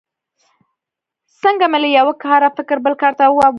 څنګه مې له یوه کاره فکر بل کار ته واوښتل.